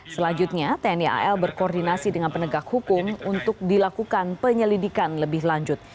selanjutnya tni al berkoordinasi dengan penegak hukum untuk dilakukan penyelidikan lebih lanjut